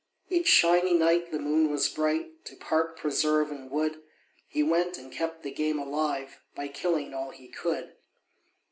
Each "shiny night" the moon was bright, To park, preserve, and wood He went, and kept the game alive, By killing all he could.